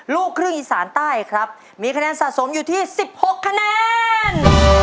ลูกครึ่งอีสานใต้ครับมีคะแนนสะสมอยู่ที่๑๖คะแนน